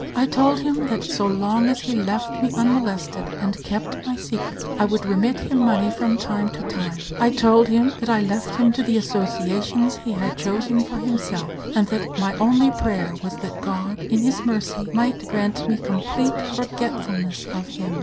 I told him that so long as he left me unmolested, and kept my secret, I would remit him money from time to time. I told him that I left him to the associations he had chosen for himself, and that my only prayer was that God, in His mercy, might grant me complete forgetfulness of him.